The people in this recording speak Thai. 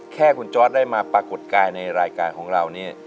แค่คุณจอร์ดได้มาปรากฏกายในรายการของเรานี่